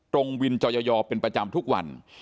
วินจอยอเป็นประจำทุกวัน